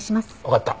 わかった。